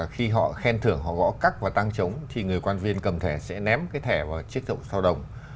khi họ khen thưởng họ gõ cắt và tăng trống thì người quan viên cầm thẻ sẽ ném cái thẻ vào chiếc rộng sao đồng